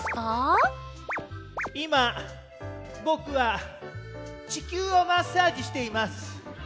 いまぼくはちきゅうをマッサージしています。